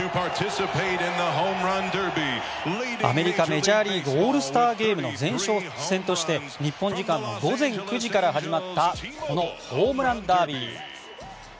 アメリカメジャーリーグオールスターゲームの前哨戦として日本時間の午前９時から始まったホームランダービー。